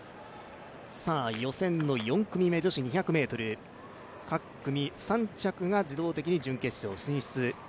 予選での４組目、女子２００ｍ、各組３着が自動的に準決勝進出。